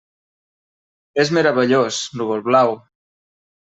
És meravellós, Núvol-Blau.